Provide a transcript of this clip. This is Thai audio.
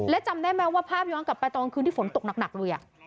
และจำได้ไหมว่าภาพย้อนกลับไปตอนคืนที่ฝนตกหนักเลย